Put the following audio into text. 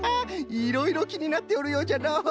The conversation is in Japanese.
いろいろきになっておるようじゃの。